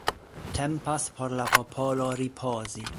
Tempas por la popolo ripozi.